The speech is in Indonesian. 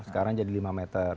sekarang jadi lima meter